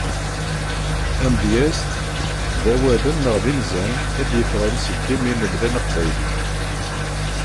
Tamedyezt, d awalen neɣ d inzan i d-yeffɣen seg yimi n umdan aqbayli.